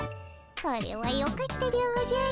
それはよかったでおじゃる。